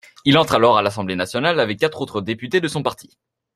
Il entre alors à l'Assemblée nationale avec quatre autres députés de son parti.